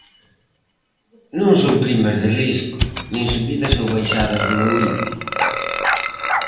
Non son primas de risco, nin subidas ou baixadas do Euribor.